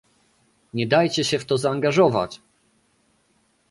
Nie dajcie się w to zaangażować!